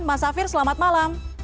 mas safir selamat malam